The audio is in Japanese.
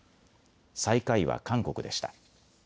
最下位は韓国でした。